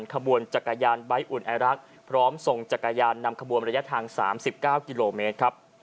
ขบวนจักรยานใบ้อุ่นไอรักษ์พร้อมส่งจักรยานนำขบวนระยะทาง๓๙กิโลเมตรครับ